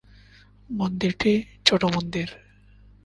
মন্দিরটি ছোটো মন্দির।